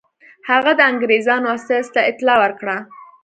هغه د انګرېزانو استازي ته اطلاع ورکړه.